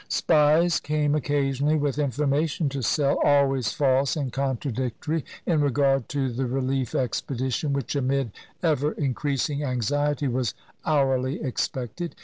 Spies came occasionally with information to sell — 255 CHINA always false and contradictory — in regard to the re lief expedition, which amid ever increasing anxiety was hourly expected.